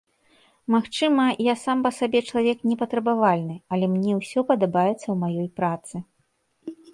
Магчыма, я сам па сабе чалавек непатрабавальны, але мне ўсё падабаецца ў маёй працы.